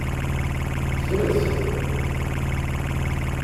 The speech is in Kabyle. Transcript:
Ffret!